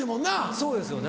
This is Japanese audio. そうですよね